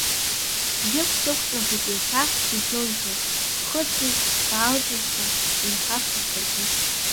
Бжьык сықәҿнаҭит иахьа шьыбжьоншәа, ԥхыӡссирк саалҵызшәа, сынхьаԥшит саргьы.